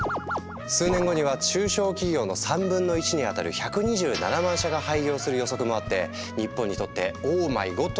数年後には中小企業の３分の１に当たる１２７万社が廃業する予測もあって日本にとって「オーマイゴッド！」